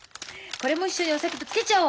これも一緒にお酒とつけちゃおう！